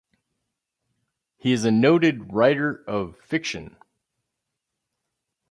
He is a noted writer of fiction.